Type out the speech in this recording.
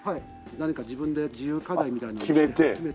何か自分で自由課題みたいなのを決めて。